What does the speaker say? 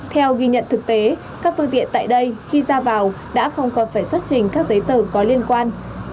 theo ghi nhận thực tế các phương tiện tại đây khi ra vào đã không còn phải xuất trình các giấy tờ có liên quan